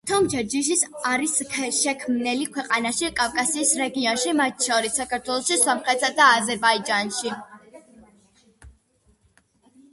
თუმცა, ჯიშის არის შექმნილი ქვეყანაში, კავკასიის რეგიონში, მათ შორის საქართველოში, სომხეთსა და აზერბაიჯანში.